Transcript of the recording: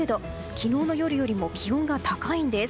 昨日の夜よりも気温が高いんです。